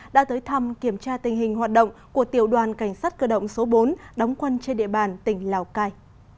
đã tới thăm kiểm tra tình hình hoạt động của tiểu đoàn cảnh sát cơ động số bốn đóng quân trên địa bàn tỉnh lào cai